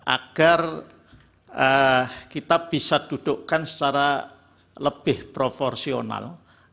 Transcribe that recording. agar kita bisa dudukkan secara lebih proporsional